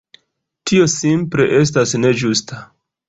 Tio simple estas ne ĝusta.